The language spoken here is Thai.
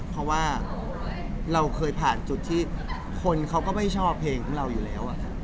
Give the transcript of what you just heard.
เพราะว่าเราเคยผ่านจุดที่คนเขาก็ไม่ชอบเพลงของเราอยู่แล้ว